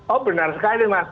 oh benar sekali mas